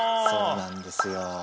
そうなんですよ。